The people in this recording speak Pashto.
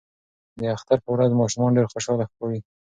د اختر په ورځ ماشومان ډیر خوشاله ښکاري.